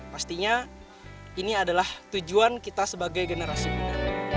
pastinya ini adalah tujuan kita sebagai generasi muda